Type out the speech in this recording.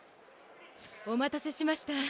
お待たせしました。